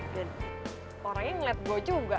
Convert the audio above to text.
dan orangnya ngeliat gue juga